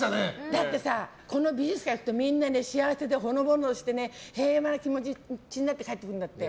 だってさ、この美術館行くとみんな幸せでほのぼのして平和な気持ちになって帰っていくんだって。